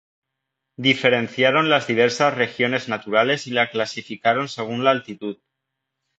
Diferenciaron las diversas regiones naturales y la clasificaron según la altitud.